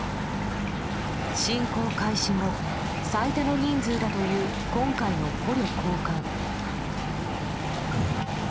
侵攻開始後、最多の人数だという今回の捕虜交換。